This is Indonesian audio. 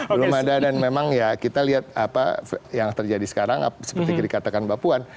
belum ada dan memang ya kita lihat apa yang terjadi sekarang seperti dikatakan mbak puan